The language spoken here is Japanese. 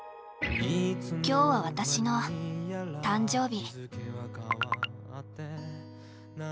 今日は私の誕生日。